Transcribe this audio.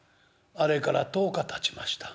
あれから１０日たちました。